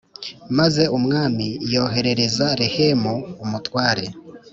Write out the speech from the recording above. Maze umwami yoherereza Rehumu umutware